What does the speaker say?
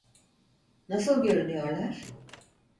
Nasıl görünüyorlar?